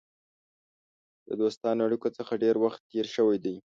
د دوستانه اړېکو څخه ډېر وخت تېر شوی دی.